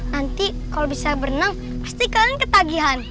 nanti kalau bisa berenang pasti kalian ketagihan